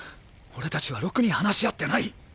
俺たちはロクに話し合ってない。